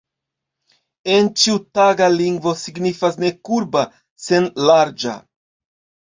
En ĉiutaga lingvo signifas ne kurba, sen larĝa.